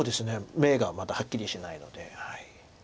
眼がまだはっきりしないので。